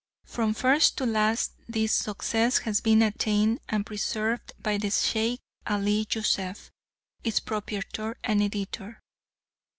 From first to last this success has been attained and preserved by the Sheikh Ali Youssef, its proprietor and editor.